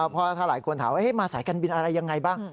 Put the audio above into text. เพราะถ้าหลายคนถามว่ามาสายการบินอะไรยังไงบ้าง